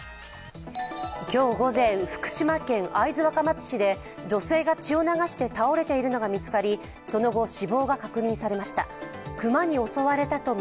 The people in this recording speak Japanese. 今日午前、福島県会津若松市で女性が血を流して倒れているのが見つかり、その後、死亡が確認されました。